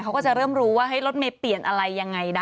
เขาก็จะเริ่มรู้ว่ารถเมย์เปลี่ยนอะไรยังไงนะ